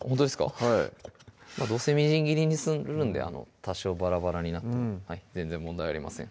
はいどうせみじん切りにするんで多少バラバラになっても全然問題ありません